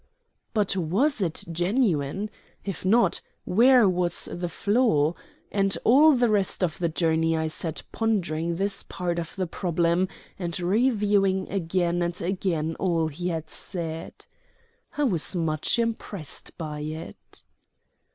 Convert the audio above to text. But was it genuine? If not, where was the flaw? And all the rest of the journey I sat pondering this part of the problem, and reviewing again and again all he had said. I was much impressed by it.